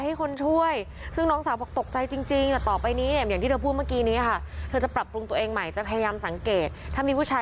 เฮ้ยเราอยู่ด้านหลังกับผู้ชายอาจจะน่าไว้ใจหรือไม่น่าไว้ใจ